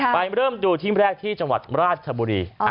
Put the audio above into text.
เริ่มดูที่แรกที่จังหวัดราชบุรี